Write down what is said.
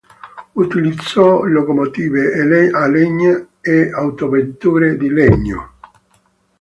Utilizzò locomotive a legna e autovetture di legno.